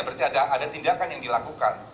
berarti ada tindakan yang dilakukan